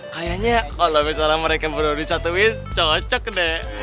kayaknya kalau misalnya mereka bener bener dicatuin cocok deh